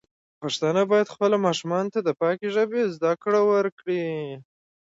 پښتانه بايد خپلو ماشومانو ته د پاکې ژبې زده کړه ورکړي.